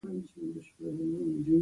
د امونیا په نوم یو مرکب جوړوي.